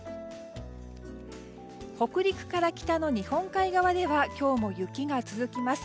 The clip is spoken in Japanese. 北陸から北の日本海側では今日も雪が続きます。